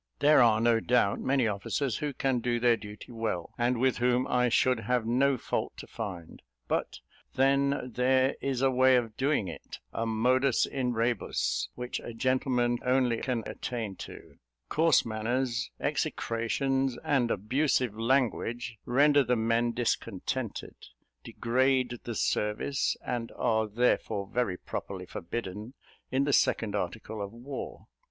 There are, no doubt, many officers who can do their duty well, and with whom I should have no fault to find; but then there is a way of doing it a modus in rebus, which a gentleman only can attain to; coarse manners, execrations, and abusive language render the men discontented, degrade the service, and are therefore very properly forbidden in the second article of war.